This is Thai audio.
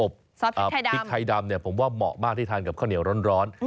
พริกไทยดำเนี่ยผมว่าเหมาะมากที่ทานกับข้าวเหนียวร้อน